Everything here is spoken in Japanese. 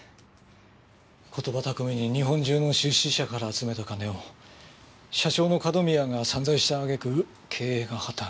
言葉巧みに日本中の出資者から集めた金を社長の角宮が散財した揚げ句経営が破綻。